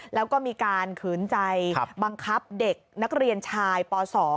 แล้วก็มีการขืนใจบังคับเด็กนักเรียนชายป๒